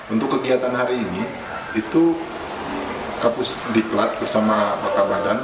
untuk kegiatan hari ini itu pusdiklat bersama pak badan